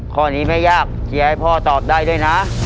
ข้อนี้ไม่ยากเชียร์ให้พ่อตอบได้ด้วยนะ